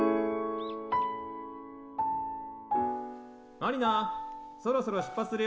・満里奈そろそろ出発するよ。